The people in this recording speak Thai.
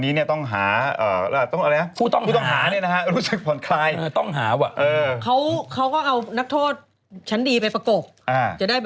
เปรี้ยวผูกคอตายใช่ไหม